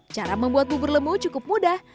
cara membuat bubur lemu cukup mudah